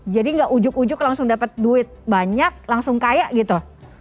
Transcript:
jadi tidak ujuk ujuk langsung dapat duit banyak langsung kaya gitu